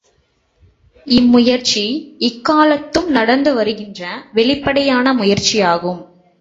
இம்முயற்சி இக்காலத்தும் நடந்து வருகின்ற வெளிப்படையான முயற்சியாகும்.